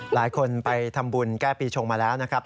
หลายคนไปทำบุญแก้ปีชงมาแล้วนะครับ